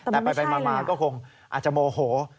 แต่ไปมาก็คงอาจจะโมโห